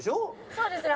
そうですね。